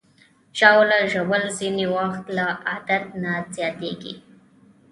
ژاوله ژوول ځینې وخت له عادت نه زیاتېږي.